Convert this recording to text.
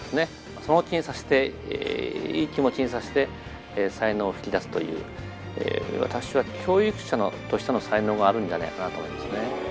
その気にさせて、いい気持ちにさせて、才能を引き出すという、私は教育者としての才能があるんじゃないかなと思いますね。